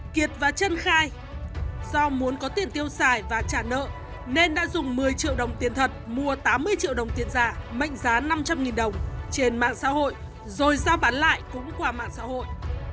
kiệt và trân khai do muốn có tiền tiêu xài và trả nợ nên đã dùng một mươi triệu đồng tiền thật mua tám mươi triệu đồng tiền giả mệnh giá năm trăm linh đồng trên mạng xã hội rồi giao bán lại cũng qua mạng xã hội